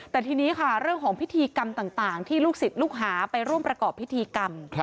แต่ทีนี้ค่ะเรื่องของพิธีกรรมต่างที่ลูกศิษย์ลูกหาไปร่วมประกอบพิธีกรรม